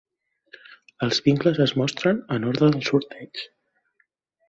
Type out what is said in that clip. Els vincles es mostren en ordre del sorteig.